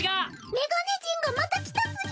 メガネ人がまた来たつぎ！